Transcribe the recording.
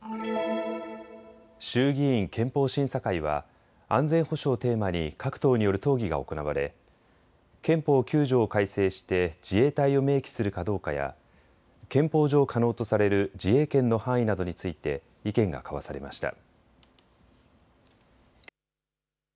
衆議院憲法審査会は安全保障をテーマに各党による討議が行われ憲法９条を改正して自衛隊を明記するかどうかや憲法上可能とされる自衛権の範囲などについて意見が交わされました。